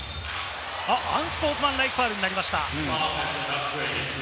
アンスポーツマンライクファウルになりました。